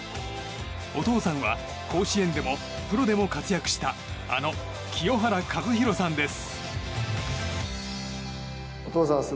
お父さんは甲子園でもプロでも活躍したあの清原和博さんです。